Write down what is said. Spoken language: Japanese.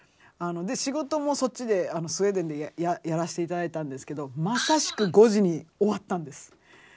で仕事もそっちでスウェーデンでやらせて頂いたんですけどまさしく５時に終わったんです。